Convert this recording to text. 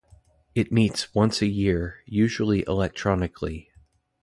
It meets once a year, usually electronically.